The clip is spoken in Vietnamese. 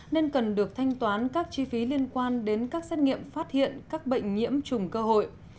nên cần được thanh toán các chi phí liên quan đến các xét nghiệm phát hiện các bệnh nhiễm trùng cơ hội